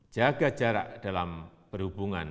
jaga jarak dalam berhubungan